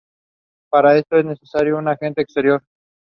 All three producers also contributed to the several songs on the album.